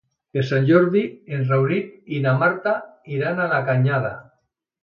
Per Sant Jordi en Rauric i na Marta iran a la Canyada.